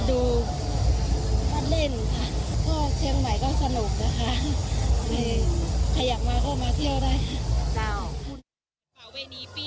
อ๋อแล้วเป็นยังไงบ้างเพราะว่าปีนี้สัก